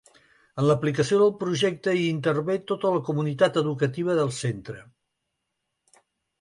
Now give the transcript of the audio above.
En l’aplicació del projecte hi intervé tota la comunitat educativa del centre.